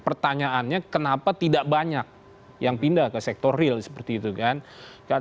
pertanyaannya kenapa tidak banyak yang pindah ke sektor real seperti itu kan